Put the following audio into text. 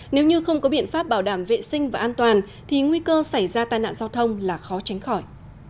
nếu như không có biện pháp bảo đảm vệ sinh và an toàn thì nguy cơ xảy ra tai nạn giao thông là khó tránh khỏi